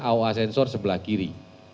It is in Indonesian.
awal sensor sebelah kiri